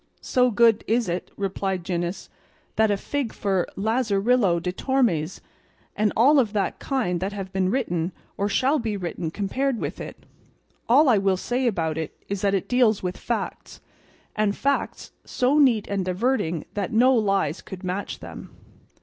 "So good is it," replied Gines, "that a fig for 'Lazarillo de Tormes,' and all of that kind that have been written, or shall be written compared with it: all I will say about it is that it deals with facts, and facts so neat and diverting that no lies could match them."